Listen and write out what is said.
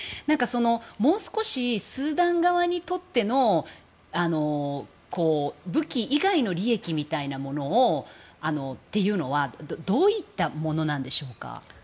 もう少し、スーダン側にとっての武器以外の利益みたいなものはどういったものなんでしょうか。